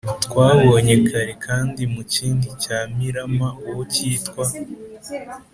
twabonye kare kandi mu kindi cya mirama uwo cyitwa